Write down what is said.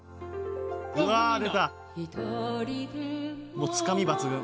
もうつかみ抜群。